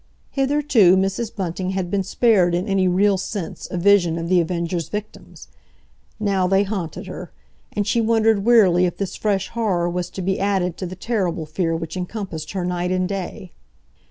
Hitherto Mrs. Bunting had been spared in any real sense a vision of The Avenger's victims. Now they haunted her, and she wondered wearily if this fresh horror was to be added to the terrible fear which encompassed her night and day.